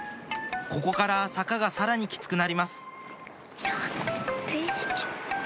ここから坂がさらにキツくなります